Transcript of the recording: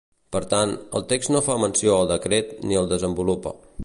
Per tant, el text no fa menció al decret ni el desenvolupa.